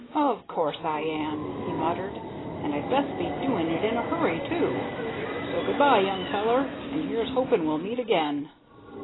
"Of course I am," he muttered, "and I'd best be doing it in a hurry, too. So good bye, young feller, and here's hoping we'll meet again."